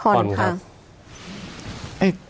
ผ่อนครับ